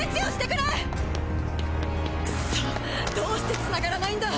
くそっどうしてつながらないんだ！